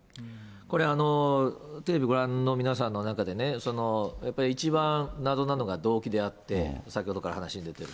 これ、テレビご覧の皆さんの中でね、やっぱり一番、謎なのが動機であって、先ほどから話に出ている。